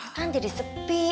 kan jadi sepi